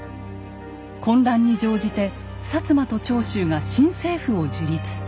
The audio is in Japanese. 混乱に乗じて薩摩と長州が新政府を樹立。